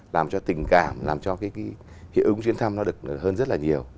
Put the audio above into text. làm cho tình cảm làm cho cái hiệu ứng chuyến thăm nó được hơn rất là nhiều